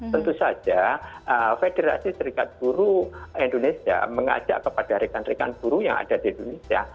tentu saja federasi serikat buru indonesia mengajak kepada rekan rekan guru yang ada di indonesia